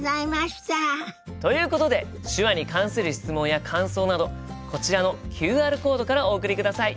ということで手話に関する質問や感想などこちらのＱＲコードからお送りください。